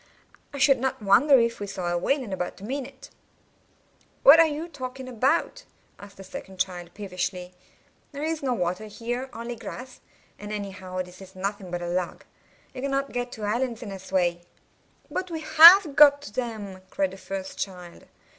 I should not wonder if we saw a whale in about a minute." "What are you talking about?" asked the second child, peevishly. "There is no water here, only grass; and anyhow this is nothing but a log. You cannot get to islands in this way." "But we have got to them," cried the first child.